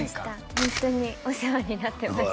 ホントにお世話になってました